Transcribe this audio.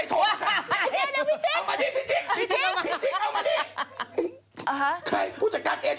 ไม่รู้ว่าเป็นลูกชายเขาด้วย